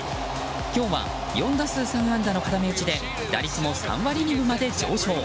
今日は４打数３安打の固め打ちで打率も３割２分まで上昇。